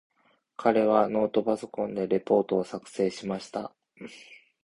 彼はノートパソコンでレポートを作成しました。